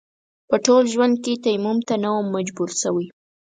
په ټول ژوند کې تيمم ته نه وم مجبور شوی.